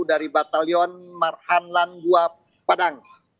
dari batalion marhan langua padang